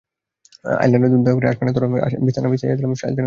আইলারে নয়া দামান আসমানেরও তেরা, বিছানা বিছাইয়া দিলাম, শাইল ধানের নেরা।